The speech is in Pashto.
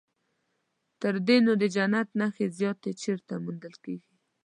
تر دې نو د جنت نښې زیاتې چیرته موندل کېږي.